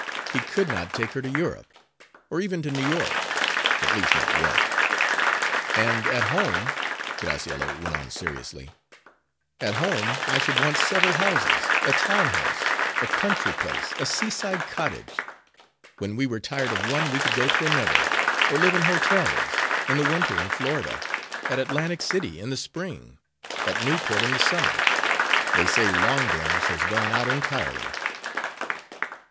He could not take her to Europe, or even to New York at least not yet. "And at home," Graciella went on seriously, "at home I should want several houses a town house, a country place, a seaside cottage. When we were tired of one we could go to another, or live in hotels in the winter in Florida, at Atlantic City in the spring, at Newport in the summer. They say Long Branch has gone out entirely."